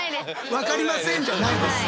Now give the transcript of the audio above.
分かりませんじゃないです。